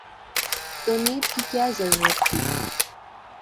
تو نیب کی کیا ضرورت تھی؟